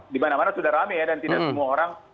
di mana mana sudah rame ya dan tidak semua orang